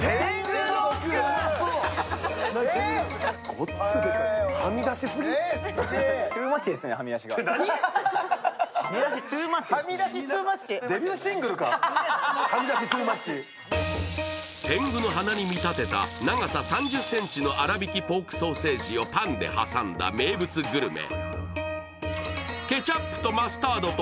ごっつデカい、はみ出しすぎ天狗の鼻に見立てた長さ３０ｃｍの粗びきポークソーセージをパンで挟んだ名物グルメ。